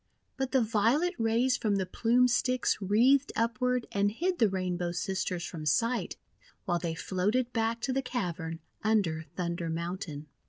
But the violet rays from the Plume Sticks wreathed upward and hid the Rainbow Sisters from sight, while they floated back to the cavern under Thunder Mountain.